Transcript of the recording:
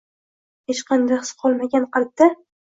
Xech qanday xis qolmagan qalbda